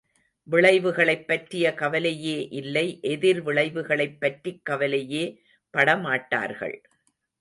விளைவுகளைப் பற்றிய கவலையே இல்லை எதிர்விளைவுகளைப் பற்றிக் கவலையே படமாட்டார்கள்.